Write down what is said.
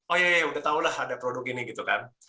oh ya ya ya sudah tahu lah ada produk ini gitu kan